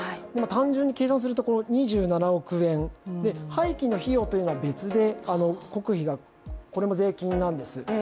単純に計算すると２７億円で廃棄の費用というのは別で国費がこれも税金なんです。